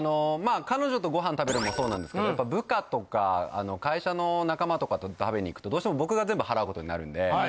彼女とご飯食べるのもそうなんですけど部下とか会社の仲間とかと食べに行くとどうしても僕が全部払うことになるんで。